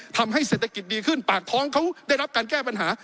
ทำให้เศรษฐกิจดีขึ้นปากท้องเขาได้รับการแก้ปัญหา